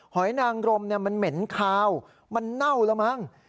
หอยนางรมมันเหม็นคาวมันเน่าแล้วมั้ง